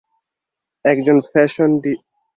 এর ফলে যৌন চাহিদায় পরিবর্তন হতে পারে।